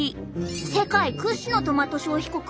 世界屈指のトマト消費国